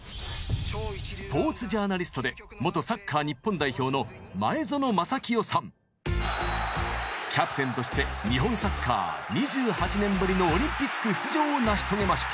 スポーツジャーナリストで元サッカー日本代表のキャプテンとして日本サッカー２８年ぶりのオリンピック出場を成し遂げました！